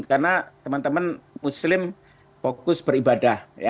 karena teman teman muslim fokus beribadah